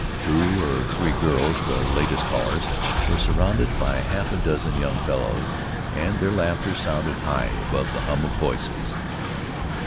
Two or three girls, the latest callers, were surrounded by half a dozen young fellows, and their laughter sounded high above the hum of voices.